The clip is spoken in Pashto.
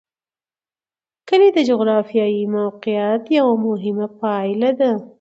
کلي د جغرافیایي موقیعت یوه مهمه پایله ده.